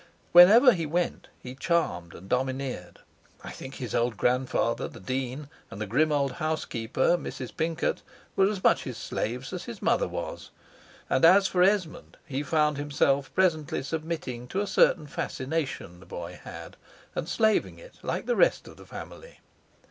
Wherever he went, he charmed and domineered. I think his old grandfather the Dean, and the grim old housekeeper, Mrs. Pincot, were as much his slaves as his mother was: and as for Esmond, he found himself presently submitting to a certain fascination the boy had, and slaving it like the rest of the family.